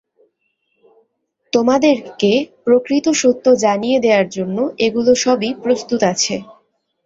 তোমাদেরকে প্রকৃত সত্য জানিয়ে দেয়ার জন্য এগুলো সবই প্রস্তুত আছে।